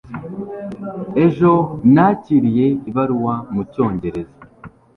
ejo nakiriye ibaruwa mucyongereza